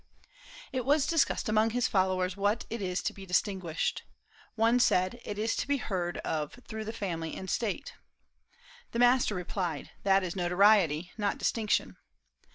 It was discussed among his followers what it is to be distinguished. One said: "It is to be heard of through the family and State." The master replied: "That is notoriety, not distinction."